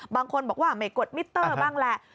บางคนบอกว่าไม่กดมิเตอร์บ้างแหละ